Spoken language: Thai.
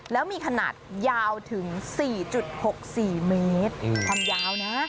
แล้วมีขนาดยาวถึง๔๖๔เมตรความยาวนะ